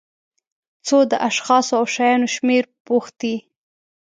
څو د اشخاصو او شیانو شمېر پوښتي.